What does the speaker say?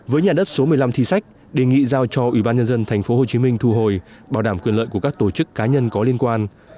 với nhà đất số một mươi năm thi sách đề nghị giao cho ủy ban nhân dân tp hcm thu hồi bảo đảm quyền lợi của các tổ chức cá nhân có liên quan